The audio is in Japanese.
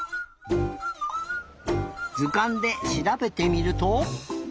ずかんでしらべてみると？